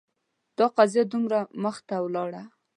دا قضیه دومره مخته لاړه